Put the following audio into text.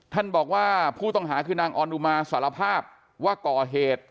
ท่านบอกว่าผู้ต้องหาคือนางออนอุมาสารภาพว่าก่อเหตุ